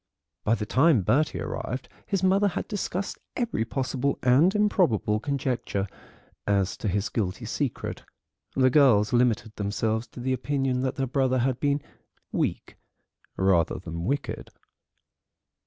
By the time Bertie arrived his mother had discussed every possible and improbable conjecture as to his guilty secret; the girls limited themselves to the opinion that their brother had been weak rather than wicked.